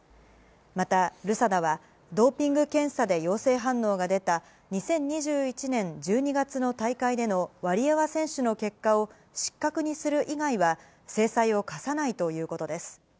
また、ＲＵＳＡＤＡは、ドーピング検査で陽性反応が出た２０２１年１２月の大会でのワリエワ選手の結果を失格にする以外は、制裁を科さないということです。